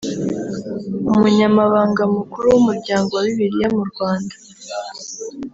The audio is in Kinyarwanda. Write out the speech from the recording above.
Umunyamabanga Mukuru w’Umuryango wa Bibiliya mu Rwanda